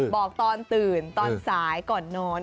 บอกตอนตื่นตอนสายก่อนนอน